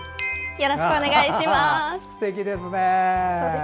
よろしくお願いします。